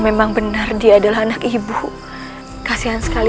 karena dia apa yang